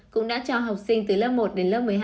cũng đã cho học sinh từ lớp một đến lớp một mươi hai